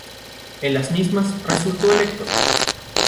En las mismas resultó electo.